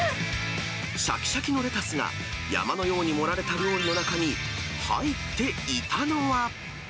しゃきしゃきのレタスが山のように盛られた料理の中に入っていたのは。